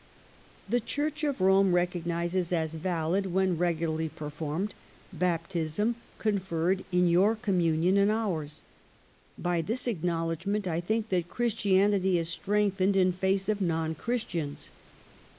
" The Church of Rome recognizes as valid (when regularly performed) baptism conferred in your communion and ours. By this acknowledgment I think that Christianity is strengthened in face of non Christians.